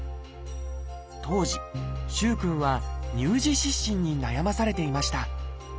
当時萩くんは「乳児湿疹」に悩まされていました。